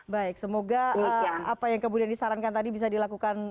baik semoga apa yang kemudian disarankan tadi bisa dilakukan